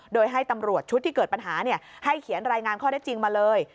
โดยให้ตำรวจชุดที่เกิดปัญหาให้เขียนรายงานข้อได้จริงมาเลย